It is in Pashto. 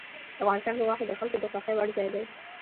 افغانستان کې غوښې د خلکو د خوښې وړ ځای دی.